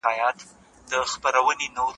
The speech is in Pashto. د مصیبتونو لاملونه تر ټولو مهمې برخې قرینه کوي.